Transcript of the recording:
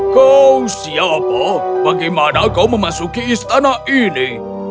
kau siapa bagaimana kau memasuki istana ini